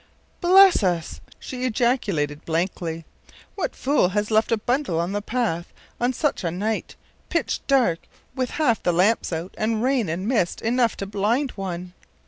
“Bless us!” she ejaculated, blankly. “What fool has left a bundle out on the path on such a night? Pitch dark, with half the lamps out, and rain and mist enough to blind one.